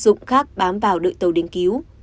các dụng khác bám vào đợi tàu đến cứu